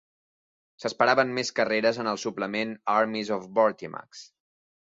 S'esperaven més carreres en el suplement "Armies of Vortimax".